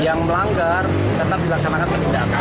yang melanggar tetap dilaksanakan